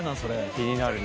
気になるね。